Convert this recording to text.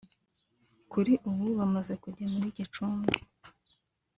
kuri ubu bamaze kujya muri Gicumbi